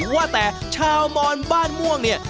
ว่าแต่ชาวมอนบ้านม่วงเนี่ย